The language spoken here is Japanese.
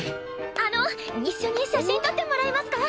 あの一緒に写真撮ってもらえますか？